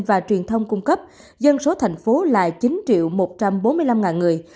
và truyền thông cung cấp dân số thành phố là chín một trăm bốn mươi năm người